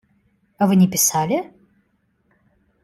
А Вы не писали?